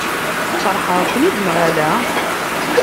Sfeṛḥeɣ-ken-id neɣ ala?